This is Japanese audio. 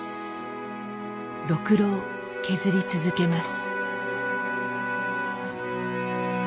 ろくろを削り続けます